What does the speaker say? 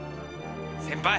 先輩。